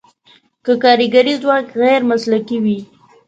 که کارګري ځواک غیر مسلکي وي.